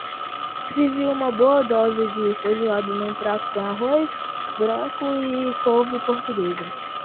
Servi uma boa dose de feijoada num prato, com arroz branco e couve portuguesa.